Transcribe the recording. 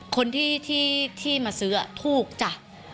คนที่มาซื้อถูกจ้ะ